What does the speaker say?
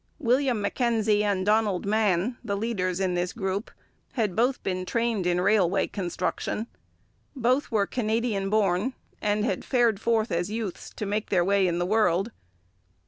William Mackenzie and Donald Mann, the leaders in this group, had both been trained in railway construction. Both were Canadian born; and had fared forth as youths to make their way in the world.